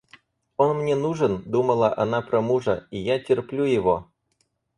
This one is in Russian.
Он мне нужен, — думала она про мужа, — и я терплю его.